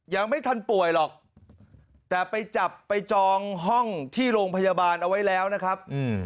ยังไม่ทันป่วยหรอกแต่ไปจับไปจองห้องที่โรงพยาบาลเอาไว้แล้วนะครับ